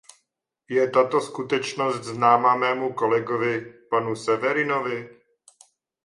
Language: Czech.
Je tato skutečnost známa mému kolegovi, panu Severinovi?